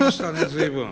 随分。